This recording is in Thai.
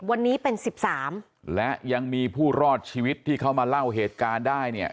วันนี้เป็นสิบสามและยังมีผู้รอดชีวิตที่เข้ามาเล่าเหตุการณ์ได้เนี่ย